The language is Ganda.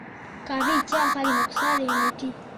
Kabi ki akali mu kusala emiti?